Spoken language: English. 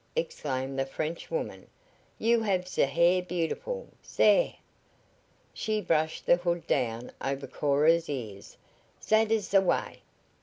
exclaimed the French woman. "You have ze hair beautiful. Zere!" She brushed the hood down over Cora's ears. "Zat is ze way.